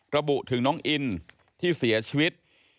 ระบุถึงน้องอินที่เสียชีวิต